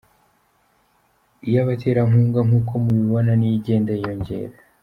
Iy’abaterankunga nk’uko mubibona niyo igenda yiyongera .